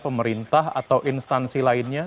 pemerintah atau instansi lainnya